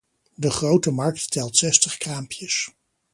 De grote markt telt zestig kraampjes.